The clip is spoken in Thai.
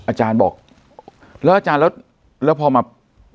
อาจารย์บอกแล้วอาจารย์แล้วพอมา